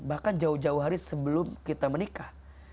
bahkan jauh jauh hari sebelum kita menikah